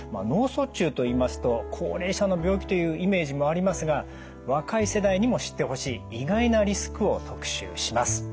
脳卒中といいますと高齢者の病気というイメージもありますが若い世代にも知ってほしい意外なリスクを特集します。